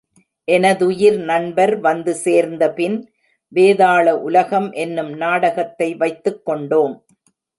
எனதுயிர் நண்பர் வந்து சேர்ந்த பின், வேதாள உலகம் என்னும் நாடகத்தை வைத்துக் கொண்டோம்.